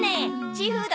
シーフード